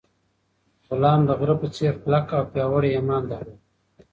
غلام د غره په څېر کلک او پیاوړی ایمان درلود.